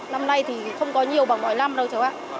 lâm nay thì không có nhiều bằng mọi năm đâu cháu ạ